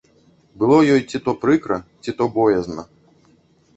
Было ёй ці то прыкра, ці то боязна.